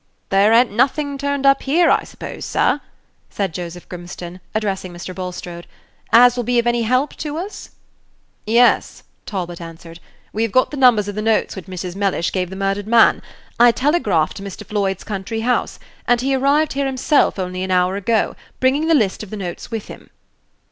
"There a'n't nothing turned up here, I suppose, sir," said Joseph Grimstone, addressing Mr. Bulstrode, "as will be of any help to us?" "Yes," Talbot answered; "we have got the numbers of the notes which Mrs. Mellish gave the murdered man. I telegraphed to Mr. Floyd's country house, and he arrived here himself only an hour ago, bringing the list of the notes with him."